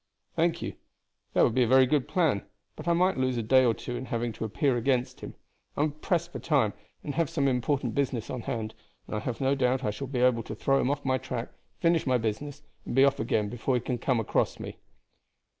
"Thank you that would be a very good plan; but I might lose a day or two in having to appear against him; I am pressed for time and have some important business on hand and I have no doubt I shall be able to throw him off my track, finish my business, and be off again before he can come across me."